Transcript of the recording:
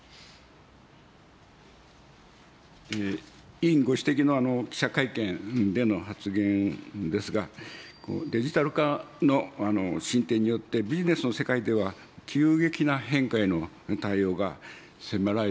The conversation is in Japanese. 委員ご指摘の記者会見での発言ですが、デジタル化の進展によって、ビジネスの世界では急激な変化への対応が迫られております。